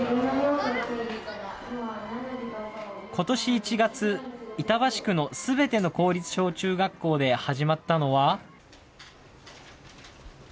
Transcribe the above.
ことし１月、板橋区のすべての公立小中学校で始まったのは。